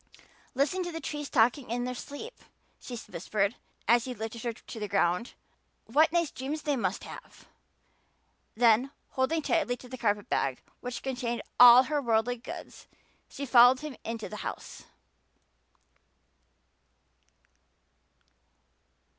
"Listen to the trees talking in their sleep," she whispered, as he lifted her to the ground. "What nice dreams they must have!" Then, holding tightly to the carpet bag which contained "all her worldly goods," she followed him into the house.